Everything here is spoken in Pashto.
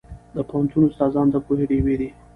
د پوهنتون استادان د پوهې ډیوې دي.